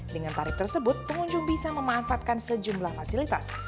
dengan tarif tersebut pengunjung bisa memanfaatkan sejumlah fasilitas